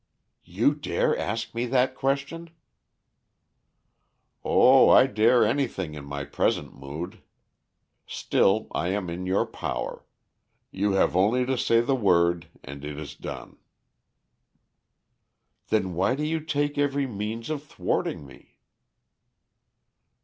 "You dare ask me that question?" "Oh! I dare anything in my present mood. Still, I am in your power. You have only to say the word and it is done." "Then why do you take every means of thwarting me?"